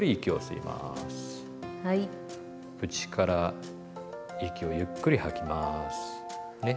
口から息をゆっくり吐きますね。